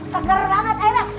teger banget airnya